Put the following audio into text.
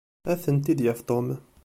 Ad tent-id-yaf Tom.